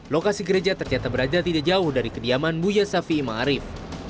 lokasi gereja ternyata berada tidak jauh dari kediaman buya safi imam arif